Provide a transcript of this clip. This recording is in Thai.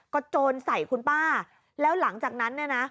ก็โจรใส่คุณป้าแล้วหลังจากนั้น